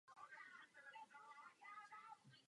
Vyznamenán řádem svaté Anny a svatého Stanislava.